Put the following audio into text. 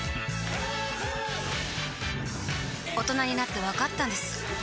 大人になってわかったんです